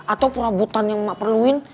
atau perobotan yang emak perluin